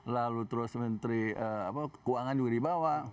lalu terus menteri keuangan juga di bawah